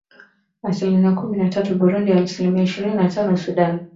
asilinia kumi na tatu Burundi asilimia ishirini na tano Sudan Kusini